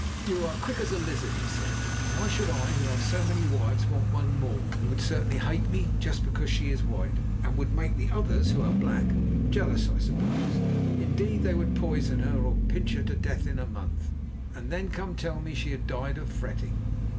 "You are quick as a lizard," he said. "Why should I, who have so many wives, want one more, who would certainly hate me? Just because she is white, and would make the others, who are black, jealous, I suppose. Indeed, they would poison her, or pinch her to death in a month, and then come to tell me she had died of fretting.